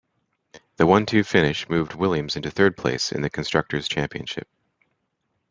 The one-two finish moved Williams into third place in the Constructors' Championship.